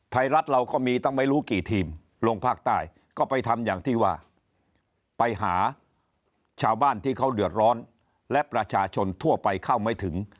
ไทยรัฐเราก็มีตั้งไม่รู้กี่ทีมลงภาคใต้ก็ไปทำอย่างที่ว่าไปหาชาวบ้านที่เขาเดือดร้อนและประชาชนทั่วไปเข้าไม่ถึง